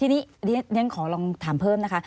อนุมันขอลองถามเพิ่มนะคะ